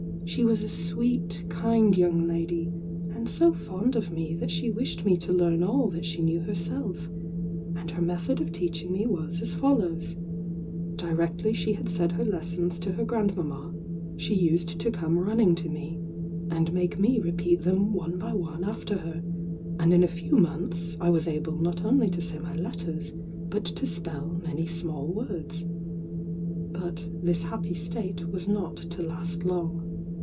She was a sweet, kind young lady, and so fond of me that she wished me to learn all that she knew herself; and her method of teaching me was as follows: Directly she had said her lessons to her grandmamma, she used to come running to me, and make me repeat them one by one after her; and in a few months I was able not only to say my letters but to spell many small words. But this happy state was not to last long.